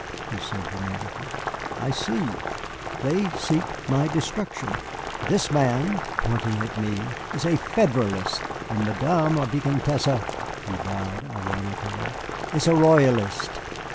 he said dramatically, "I see, they seek my destruction. This man" pointing at me "is a Federalist, and Madame la Vicomtesse" he bowed ironically "is a Royalist."